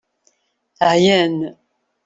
Ɛyan.